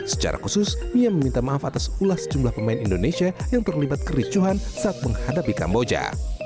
secara khusus ia meminta maaf atas ulas jumlah pemain indonesia yang terlibat kericuhan saat menghadapi kamboja